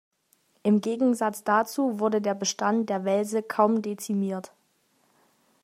Im Gegensatz dazu wurde der Bestand der Welse kaum dezimiert.